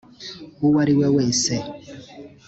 uwo ariwe wese